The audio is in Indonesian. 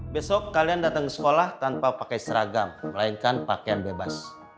besok kalian datang ke sekolah tanpa pakai seragam melainkan pakaian bebas